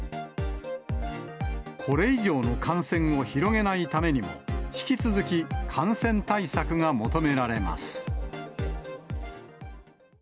これ以上の感染を広げないためにも、引き続き感染対策が求められます。